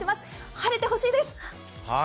晴れてほしいです！